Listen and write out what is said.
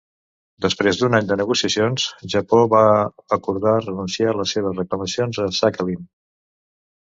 Després d'un any de negociacions, Japó va acordar renunciar les seves reclamacions a Sakhalin.